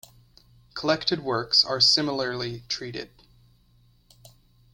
Collected works are similarly treated.